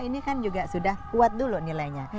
ini kan juga sudah kuat dulu nilainya